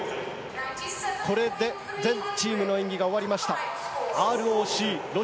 これで全チームの演技が終わりました。